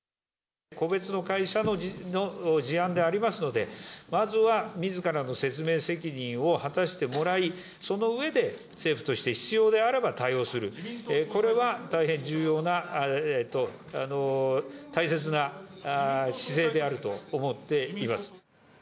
個別の会社の事案でありますので、まずは、みずからの説明責任を果たしてもらい、その上で、政府として必要であれば対応する、これは大変重要な、大切な姿勢であると思っています。